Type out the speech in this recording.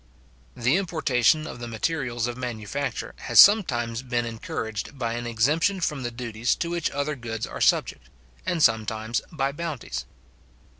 The importation of the materials of manufacture has sometimes been encouraged by an exemption from the duties to which other goods are subject, and sometimes by bounties.